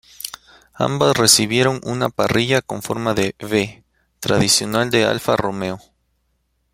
Ambas recibieron una parrilla con forma de V, tradicional de Alfa Romeo.